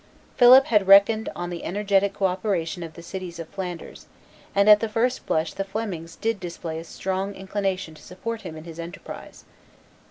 Philip had reckoned on the energetic cooperation of the cities of Flanders, and at the first blush the Flemings did display a strong inclination to support him in his enterprise.